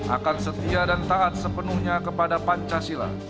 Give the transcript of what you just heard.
akan setia dan taat sepenuhnya kepada pancasila